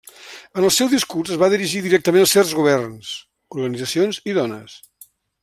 En el seu discurs es va dirigir directament a certs governs, organitzacions i dones.